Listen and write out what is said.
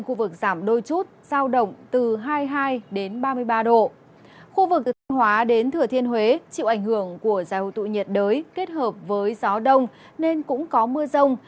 khu vực tân hóa đến thừa thiên huế chịu ảnh hưởng của dài hô tụ nhiệt đới kết hợp với gió đông nên cũng có mưa rông